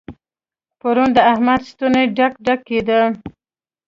پرون د احمد ستونی ډک ډک کېد.